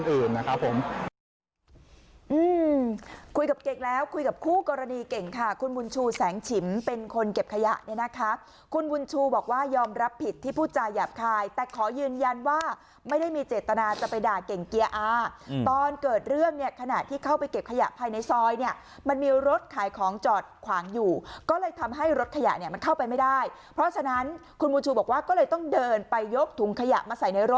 อืมคุยกับเก่งแล้วคุยกับคู่กรณีเก่งค่ะคุณบุญชูแสงฉิมเป็นคนเก็บขยะเนี่ยนะครับคุณบุญชูบอกว่ายอมรับผิดที่ผู้จ่ายหยาบคายแต่ขอยืนยันว่าไม่ได้มีเจตนาจะไปด่าเก่งเกียร์อ่าตอนเกิดเรื่องเนี่ยขณะที่เข้าไปเก็บขยะภายในซอยเนี่ยมันมีรถขายของจอดขวางอยู่ก็เลยทำให้รถขยะเนี่ยม